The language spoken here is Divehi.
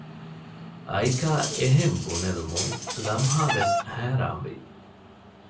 އައިކާ އެހެން ބުނެލުމުން ލަމްހާވެސް ހައިރާންވި